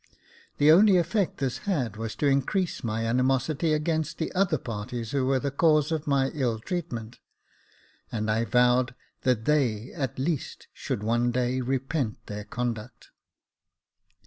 The only effect this had was to increase my animosity against the other parties who were the cause of my ill treatment, and I vowed that they, at least, should one day repent their conduct.